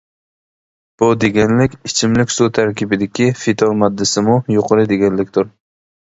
بۇ دېگەنلىك، ئىچىملىك سۇ تەركىبىدىكى فىتور ماددىسىمۇ يۇقىرى دېگەنلىكتۇر.